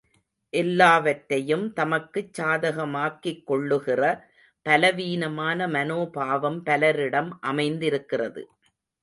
எல்லாவற்றையும் தமக்குச் சாதகமாக்கிக் கொள்ளுகிற பலவீனமான மனோபாவம் பலரிடம் அமைந்திருக்கிறது.